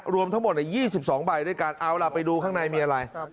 รวมทั้งหมด๒๒ใบด้วยกันเอาล่ะไปดูข้างในมีอะไร